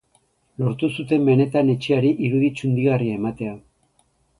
Lortu zuten benetan etxeari irudi txundigarria ematea.